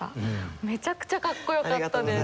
めちゃくちゃかっこよかったです。